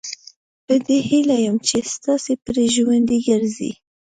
په دې هیله یم چې تاسي پرې ژوندي ګرځئ.